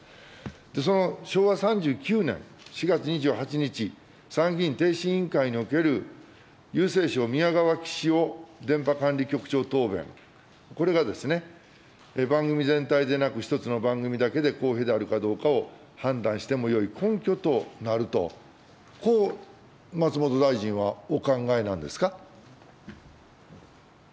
その昭和３９年４月２８日、参議院逓信委員会における、郵政省、みやがわきしお電波監理局長答弁、これが、番組全体でなく一つの番組だけで公平であるかどうかを判断してもよい根拠となると、こう松本大臣はお考えなんですか。